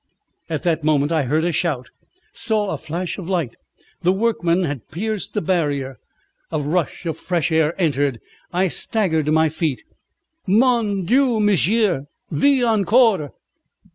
At that moment I heard a shout saw a flash of light. The workmen had pierced the barrier. A rush of fresh air entered. I staggered to my feet. "Oh! mon Dieu! Monsieur vit encore!"